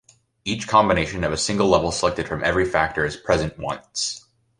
Each combination of a single level selected from every factor is present once.